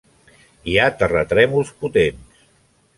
Hi ha terratrèmols potents.